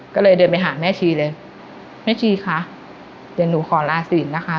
ก็เลยเดินไปหาแม่ชีเลยแม่ชีค่ะเดี๋ยวหนูขอลาศีลนะคะ